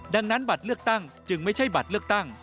ดังนั้นบัตรเลือกตั้งจึงไม่ใช่บัตรเลือกตั้ง